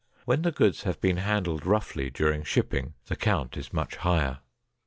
When the goods have been handled roughly during shipping the count is much higher.